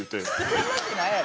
そんなわけないやろ！